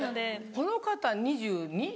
この方２２歳？